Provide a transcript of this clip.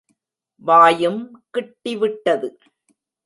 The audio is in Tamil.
வாயும் கிட்டி விட்டது.